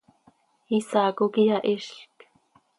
Isaaco quih iyahizlc.